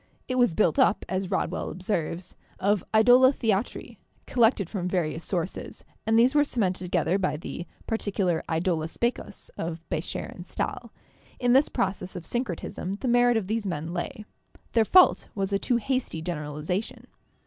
It was built up, as Rodwell observes, of 'idola theatri/ collected from various sources, and these were cemented together by the particular 'idola specus' of Becher and Stahl. In this process of syncretism the merit of these men lay ; their fault was a too hasty generalization.